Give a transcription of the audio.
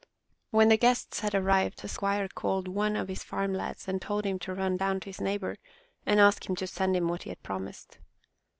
When the guests had arrived the squire called one of his farm lads and told him to run down to his neighbor and ask him to send him what he had promised.